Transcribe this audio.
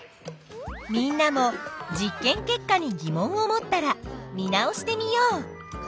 みんなも実験結果に疑問を持ったら見直してみよう。